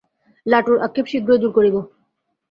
লাটুর আক্ষেপ শীঘ্রই দূর করিব।